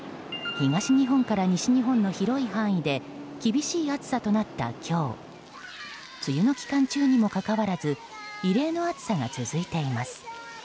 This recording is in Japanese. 東日本から西日本の広い範囲で厳しい暑さとなった今日梅雨の期間中にもかかわらず異例の暑さが続いています。